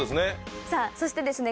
さぁそしてですね